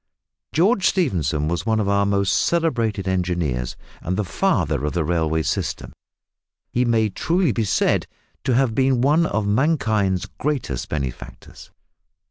George Stephenson was one of our most celebrated engineers, and the "father of the railway system." He may truly be said to have been one of mankind's greatest benefactors.